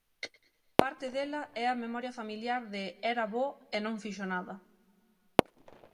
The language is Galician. Parte dela é a memoria familiar de "era bo" e "non fixo nada".